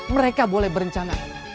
mereka boleh berencana